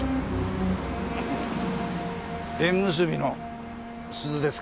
縁結びの鈴ですか？